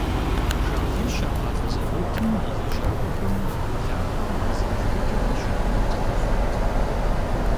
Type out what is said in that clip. Шагъыр щагъавэ зэводым и лэжьакӏуэхэм улахуэр мазэ бжыгъэкӏэ къыщырамыт къэхъурт.